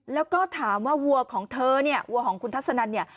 แล้วก็ถามว่าวัวของเธอเนี่ยวัวของคุณทัศนันเนี่ย